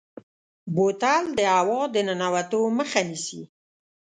بوتل د هوا د ننوتو مخه نیسي.